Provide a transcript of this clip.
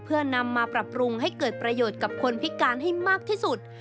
เพื่อนำมาปรับปรุงให้เกิดประโยชน์กับคนพิการให้มากที่สุด